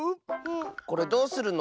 これどうするの？